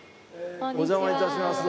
お邪魔致します。